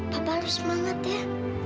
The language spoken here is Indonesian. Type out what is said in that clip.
papa harus semangat ya